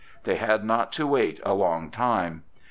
They had not to wait a long time.